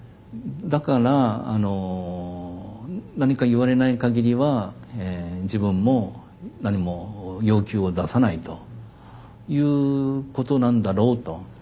だから何か言われない限りは自分も何も要求を出さないということなんだろうと。